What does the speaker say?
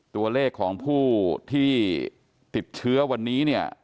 ตัวเลขของผู้ที่ติดเชื้อวันนี้เนี่ย